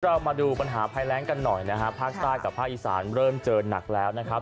เรามาดูปัญหาภัยแรงกันหน่อยนะฮะภาคใต้กับภาคอีสานเริ่มเจอหนักแล้วนะครับ